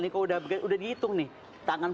nih kalau udah dihitung nih tangan